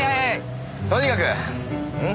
とにかくん？